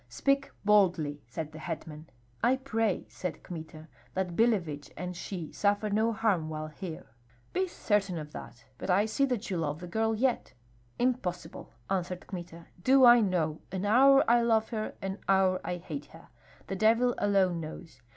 "Speak boldly," said the hetman. "I pray," said Kmita, "that Billevich and she suffer no harm while here." "Be certain of that. But I see that you love the girl yet." "Impossible," answered Kmita. "Do I know! An hour I love her, an hour I hate her. The devil alone knows!